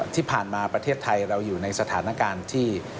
ที่ผ่านมาประเทศไทยเราอยู่ในสถานการณ์ที่